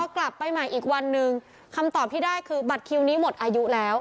กลับไปใหม่อีกวันหนึ่งคำตอบที่ได้คือบัตรคิวนี้หมดอายุแล้ว